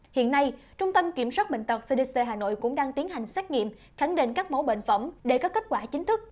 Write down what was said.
hiện nay trung tâm kiểm soát bệnh tật cdc hà nội cũng đang tiến hành xét nghiệm khẳng định các mẫu bệnh phẩm để có kết quả chính thức